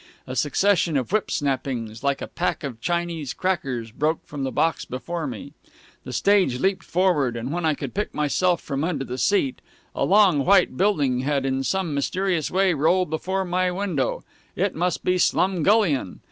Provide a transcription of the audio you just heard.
A succession of whip snappings, like a pack of Chinese crackers, broke from the box before me. The stage leaped forward, and when I could pick myself from under the seat, a long white building had in some mysterious way rolled before my window. It must be Slumgullion!